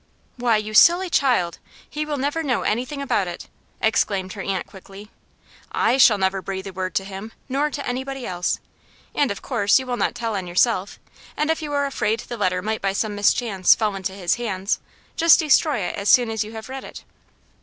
"Why, you silly child! he will never know anything about it," exclaimed her aunt quickly. "I shall never breathe a word to him, nor to anybody else, and, of course, you will not tell on yourself; and if you are afraid the letter might by some mischance fall into his hands, just destroy it as soon as you have read it."